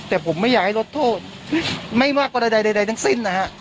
แต่ผมไม่อยากให้ลดโทษไม่มากกว่าใดทั้งสิ้นนะฮะ